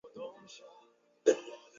父亲黄敬让。